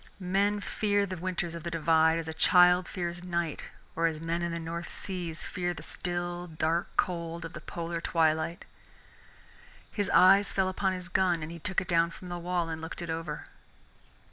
Men fear the winters of the Divide as a child fears night or as men in the North Seas fear the still dark cold of the polar twilight. His eyes fell upon his gun, and he took it down from the wall and looked it over.